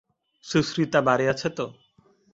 সুচরিতা বাড়ি আছে তো?